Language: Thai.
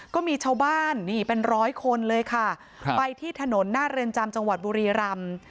ก็มีชาวบ้านนี่เป็นร้อยคนเลยค่ะไปที่ถนนหน้าเรือนจำจังหวัดบุรีรำ